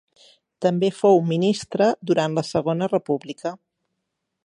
També fou ministre durant la Segona República.